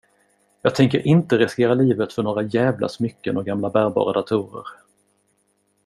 Jag tänker inte riskera livet för några jävla smycken och gamla bärbara datorer.